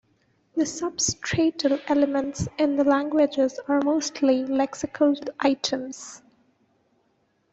The substratal elements in the languages are mostly lexical items.